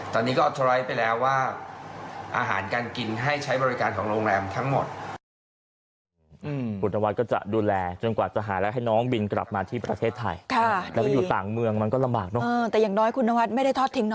ตอนนี้ก็สไลด์ไปแล้วว่าอาหารการกินให้ใช้บริการของโรงแรมทั้งหมด